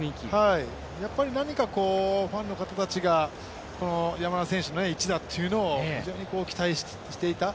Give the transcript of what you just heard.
やっぱり何かファンの方たちが山田選手の一打っていうのを非常に期待していた、